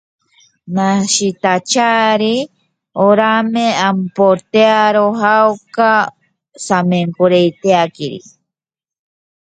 El objetivo particular de esta etapa es aprovechar lugares despejados.